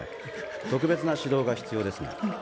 特別な指導が必要ですね。